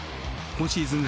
今シーズン